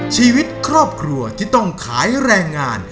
ชีวิตครอบครัวที่ต้องขายแรงงาน